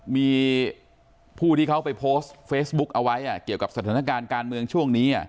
มีผู้ที่เขาไปโพสต์เฟซบุ๊กเอาไว้เกี่ยวกับสถานการณ์การเมืองช่วงนี้